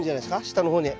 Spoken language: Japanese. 下の方に。